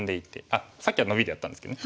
あっさっきはノビでやったんですけどね。